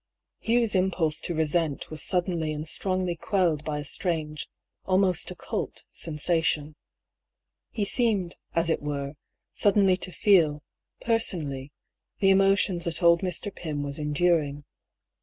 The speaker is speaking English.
Hugh's impulse to resent was suddenly and strongly quelled by a strange, almost occult, sensation. He seemed, as it were, suddenly to feel, personally, the emotions that old Mr. Pym was enduring.